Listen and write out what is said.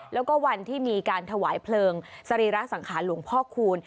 แล้วก็วันที่มีการถวายเพลิงสรีระสังขารหลวงพ่อคูณ